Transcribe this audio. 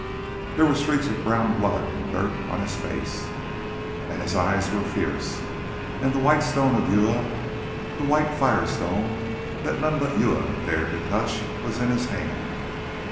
There were streaks of brown blood and dirt on his face, and his eyes were fierce, and the white stone of Uya, the white Fire Stone, that none but Uya dared to touch, was in his hand.